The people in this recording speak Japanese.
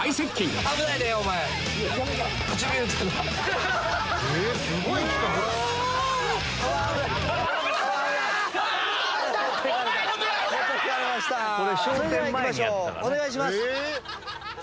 それではいきましょうお願いします！